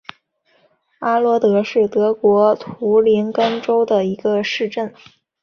安罗德是德国图林根州的一个市镇。